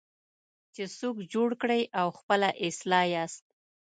چې څوک جوړ کړئ او خپله اصلاح یاست.